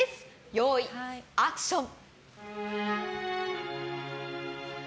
用意、アクション！